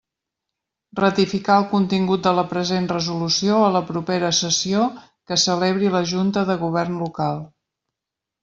Ratificar el contingut de la present resolució a la propera sessió que celebri la Junta de Govern Local.